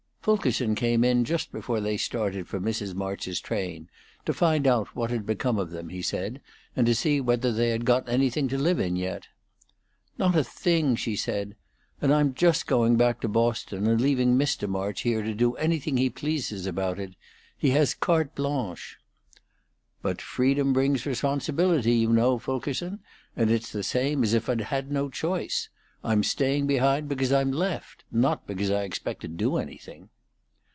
Fulkerson came in just before they started for Mrs. March's train, to find out what had become of them, he said, and to see whether they had got anything to live in yet. "Not a thing," she said. "And I'm just going back to Boston, and leaving Mr. March here to do anything he pleases about it. He has 'carte blanche.'" "But freedom brings responsibility, you know, Fulkerson, and it's the same as if I'd no choice. I'm staying behind because I'm left, not because I expect to do anything."